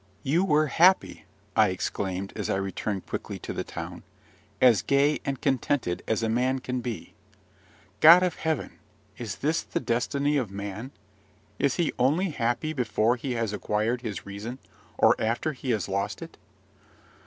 "You were happy!" I exclaimed, as I returned quickly to the town, "'as gay and contented as a man can be!'" God of heaven! and is this the destiny of man? Is he only happy before he has acquired his reason, or after he has lost it?